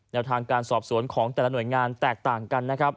แนวทางการสอบสวนของแต่ละหน่วยงานแตกต่างกัน